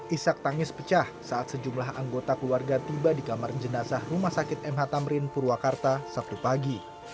isak tangis pecah saat sejumlah anggota keluarga tiba di kamar jenazah rumah sakit mh tamrin purwakarta sabtu pagi